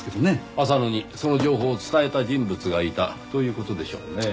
浅野にその情報を伝えた人物がいたという事でしょうねぇ。